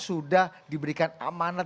sudah diberikan amanat